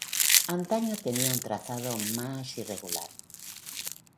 Antaño tenía un trazado más irregular.